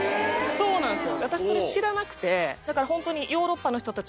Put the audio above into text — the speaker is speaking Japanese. そうなんですよ。